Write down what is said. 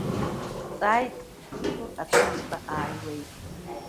Дҵааит Ӡыкәыр аҭынчра ааилеиган.